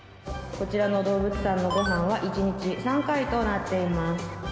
こちらの動物さんのごはんは１日３回となっています